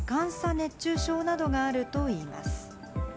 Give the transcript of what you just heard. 熱中症などがあるといいます。